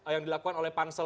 yang dilakukan oleh pansel